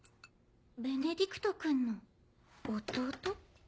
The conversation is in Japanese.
ベネディクト君の弟？